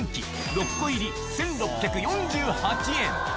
６個入り１６４８円。